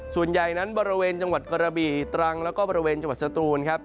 ส่วนใหญ่นั้นบริเวณจังหวัดกระบี่ตรังแล้วก็บริเวณจังหวัดสตูนครับ